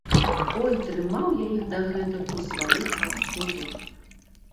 Ой, трымаў я іх дагэтуль у сваіх абцугах!